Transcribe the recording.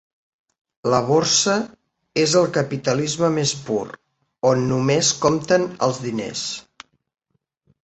La borsa és el capitalisme més pur, on només compten els diners.